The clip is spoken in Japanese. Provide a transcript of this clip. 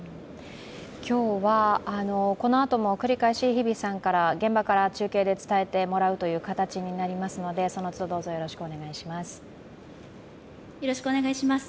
今日はこのあとも繰り返し、日比さんから現場から中継で伝えてもらうという形になりますのでどうぞよろしくお願いいたします。